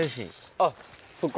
あっそっか。